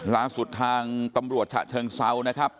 ล้างสุดทางตำรวจชาติศาสตร์